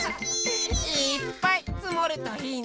いっぱいつもるといいね。